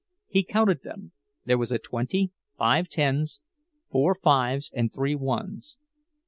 He counted them—there was a twenty, five tens, four fives, and three ones.